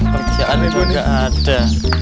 kerjaan itu tidak ada